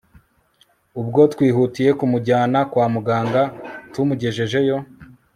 Ubwo twihutiye kumujyana kwa muganga tumugejejeyo